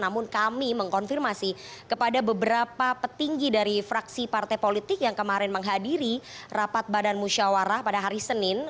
namun kami mengkonfirmasi kepada beberapa petinggi dari fraksi partai politik yang kemarin menghadiri rapat badan musyawarah pada hari senin